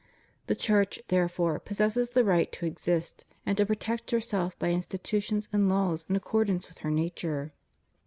The Church, therefore, possesses the right to exist and to protect herseK by institutions and laws in accordance with her nature.